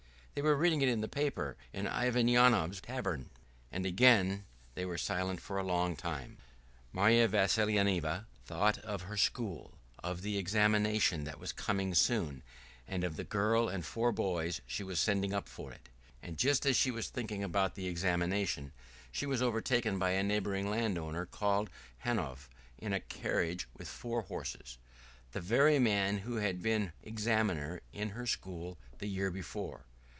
"They were reading it in the paper, in Ivan Ionov's tavern." And again they were silent for a long time. Marya Vassilyevna thought of her school, of the examination that was coming soon, and of the girl and four boys she was sending up for it. And just as she was thinking about the examination, she was overtaken by a neighboring landowner called Hanov in a carriage with four horses, the very man who had been examiner in her school the year before.